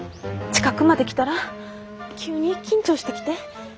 近くまで来たら急に緊張してきて。